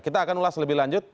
kita akan ulas lebih lanjut